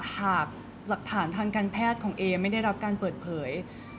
หากหลักฐานทางการแพทย์ของเอไม่ได้รับการเปิดเผย